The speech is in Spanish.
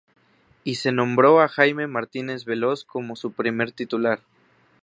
Y se nombró a Jaime Martínez Veloz como su primer titular.